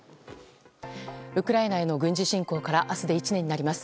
ウクライナへの軍事侵攻から明日で１年になります。